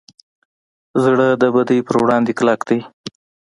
زړه د بدۍ پر وړاندې کلک دی.